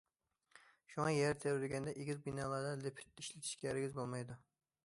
شۇڭا، يەر تەۋرىگەندە ئېگىز بىنالاردا لىفىت ئىشلىتىشكە ھەرگىز بولمايدۇ.